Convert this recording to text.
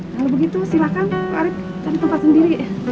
kalau begitu silakan pak arief cari tempat sendiri